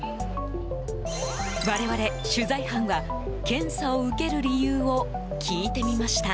我々、取材班は検査を受ける理由を聞いてみました。